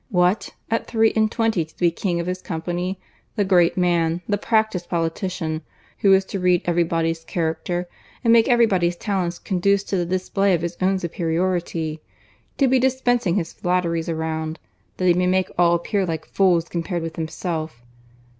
What! at three and twenty to be the king of his company—the great man—the practised politician, who is to read every body's character, and make every body's talents conduce to the display of his own superiority; to be dispensing his flatteries around, that he may make all appear like fools compared with himself!